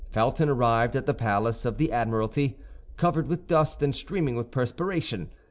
Felton arrived at the palace of the Admiralty, covered with dust, and streaming with perspiration.